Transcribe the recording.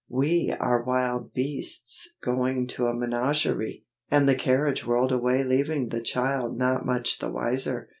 "We are wild beasts going to a menagerie!" And the carriage whirled away leaving the child not much the wiser.